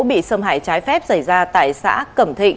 bị xâm hại trái phép xảy ra tại xã cẩm thịnh